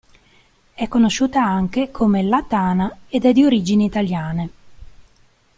È conosciuta anche come La Tana ed è di origini italiane.